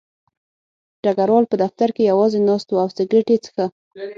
ډګروال په دفتر کې یوازې ناست و او سګرټ یې څښه